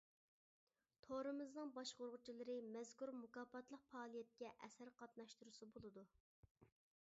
تورىمىزنىڭ باشقۇرغۇچىلىرى مەزكۇر مۇكاپاتلىق پائالىيەتكە ئەسەر قاتناشتۇرسا بولىدۇ.